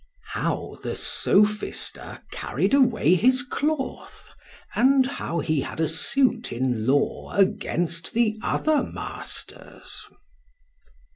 How the Sophister carried away his cloth, and how he had a suit in law against the other masters.